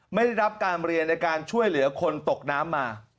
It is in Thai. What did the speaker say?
ไม่ได้รับการเรียนในการช่วยเหลือคนตกน้ำมา